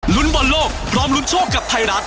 บอลโลกพร้อมลุ้นโชคกับไทยรัฐ